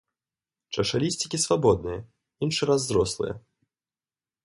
Чашалісцікі свабодныя, іншы раз зрослыя.